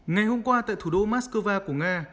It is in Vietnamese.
ngày hôm qua tại thủ đô mắc skơ va của nga